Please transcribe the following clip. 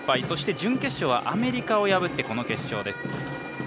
そして準決勝はアメリカを破ってこの決勝です。